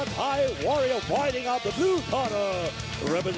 ใดข้อค่อนข้าง๖๒ต้อนรับ๔๒ต้อนรับ